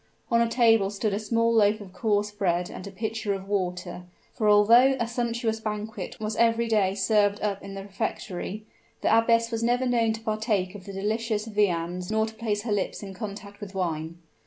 On a table stood a small loaf of coarse bread and a pitcher of water; for although a sumptuous banquet was every day served up in the refectory, the abbess was never known to partake of the delicious viands nor to place her lips in contact with wine.